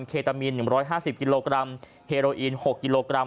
เครตามีนหนึ่งร้อยห้าสิบกิโลกรัมเฮโรีนหกกิโลกรัม